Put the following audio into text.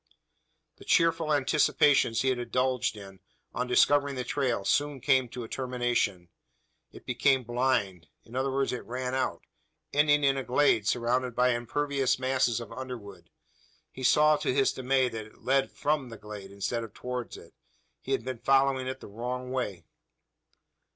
The cheerful anticipations he had indulged in, on discovering the trail, soon, came to a termination. It became blind. In other words it ran out ending in a glade surrounded by impervious masses of underwood. He saw, to his dismay, that it led from the glade, instead of towards it. He had been following it the wrong way!